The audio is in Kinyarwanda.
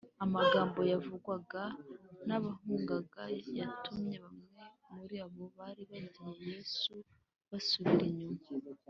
amagambo yavugwaga n’abahungaga yatumye bamwe muri abo bari bagiye yesu basubira inyuma